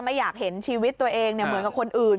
ไม่อยากเห็นชีวิตตัวเองเหมือนกับคนอื่น